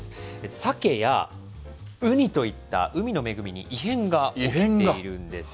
サケやウニといった海の恵みに異変が起きているんです。